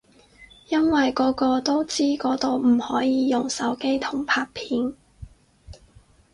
因為個個都知嗰度唔可以用手機同拍片